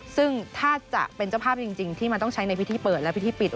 ซึ่งถ้าจะเป็นเจ้าภาพจริงที่มันต้องใช้ในพิธีเปิดและพิธีปิด